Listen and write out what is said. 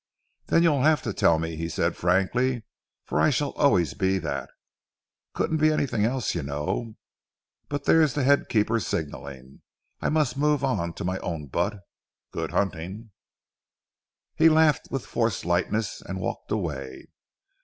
"Then you'll have to tell me," he said frankly, "for I shall always be that. Couldn't be anything else, you know.... But there's the head keeper signalling; I must move on to my own butt. Good hunting!" He laughed with forced lightness and walked away.